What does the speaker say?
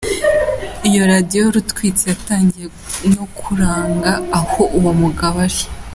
Iyo radiyo rutwitsi yatangiye no kuranga aho uwo mugabo ari.